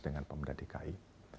dengan pemda dki